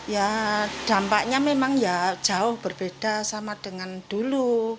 ya dampaknya memang ya jauh berbeda sama dengan dulu